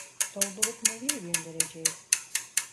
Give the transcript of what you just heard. Doldurup nereye göndereceğiz